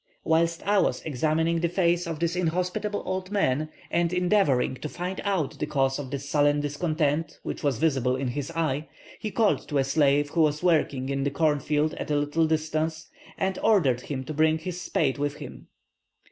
"Whilst I was examining the face of this inhospitable old man, and endeavouring to find out the cause of the sullen discontent which was visible in his eye, he called to a slave who was working in the corn field at a little distance, and ordered him to bring his spade with him.